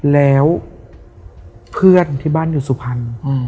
แล้วเพื่อนที่บ้านอยู่สุพรรณ